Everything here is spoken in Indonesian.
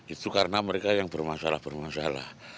itu karena mereka yang bermasalah bermasalah